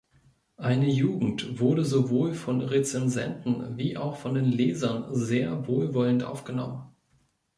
Eine Jugend" wurde sowohl von Rezensenten wie auch von den Lesern sehr wohlwollend aufgenommen.